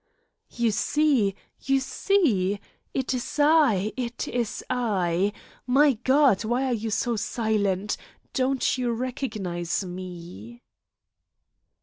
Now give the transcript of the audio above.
"You see! You see! It is I. It is I! My God, why are you silent? Don't you recognise me?"